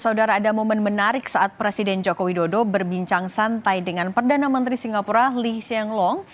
saudara ada momen menarik saat presiden joko widodo berbincang santai dengan perdana menteri singapura lee hsing long